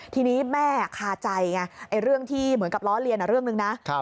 ทีนี้แม่คาใจไงเรื่องที่เหมือนกับล้อเลียนเรื่องหนึ่งนะ